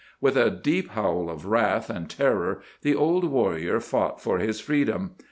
With a deep howl of wrath and terror the old warrior fought for his freedom.